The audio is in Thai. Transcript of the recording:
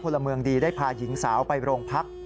พลเมืองดีได้พาหญิงสาวไปโรงพัก